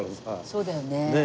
そうだよね。